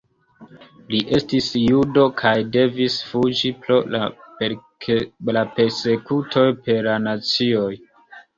Li estis judo kaj devis fuĝi pro la persekutoj per la nazioj.